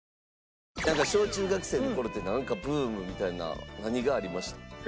小中学生の頃ってなんかブームみたいな何がありました？